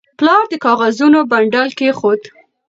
پلار د کاغذونو بنډل کېښود.